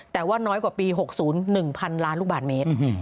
แต่ว่าน้อยกว่าปี๖๐๑๐๐๐ล้านลูกบาทเมตร